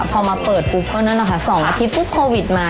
พอมาเปิดปุ๊บก็นั่นนะคะ๒อาทิตย์ปุ๊บโควิดมา